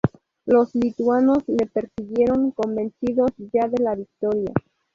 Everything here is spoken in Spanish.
Los lituanos les persiguieron convencidos ya de la victoria.